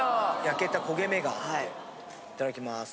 焼けた焦げ目があっていただきます。